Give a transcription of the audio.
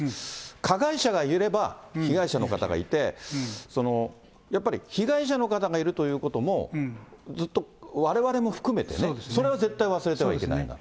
加害者がいれば被害者の方がいて、やっぱり被害者の方がいるということも、ずっと、われわれも含めてね、それは絶対忘れてはいけないなと。